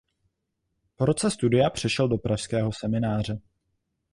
Po roce studia přešel do pražského semináře.